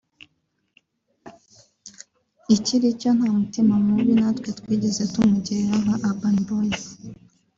Ikiricyo nta mutima mubi natwe twigeze tumugirira nka Urban boys